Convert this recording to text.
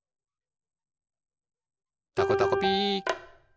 「たこたこピー」